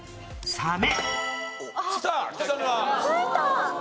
サメ。